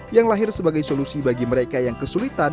yang lahir sebagai solusi bagi mereka yang kesulitan